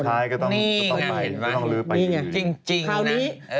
สุดท้ายก็ต้องไปต้องลื้อไปอยู่